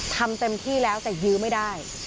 ทำเต็มที่แล้วแต่ยื้อไม่ได้